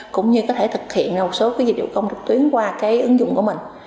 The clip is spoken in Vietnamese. cũng như có thể thực hiện một số dịch vụ công trực tuyến qua cái ứng dụng của mình